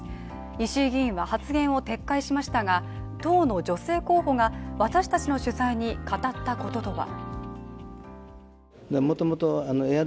石井議員は発言を撤回しましたが、当の女性候補が私達の取材に語ったこととは。